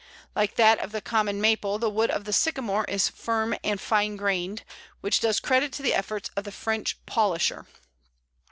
Like that of the Common Maple, the wood of the Sycamore is firm and fine grained, which does credit to the efforts of the French polisher.